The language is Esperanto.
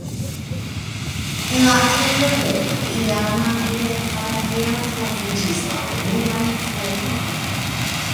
En la ejo de la iama bierfarejo troviĝis la unuaj fornoj.